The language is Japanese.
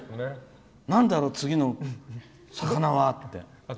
なんだろう、次の魚はって。